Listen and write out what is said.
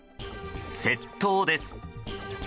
窃盗です。